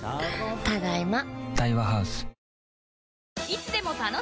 ただいま。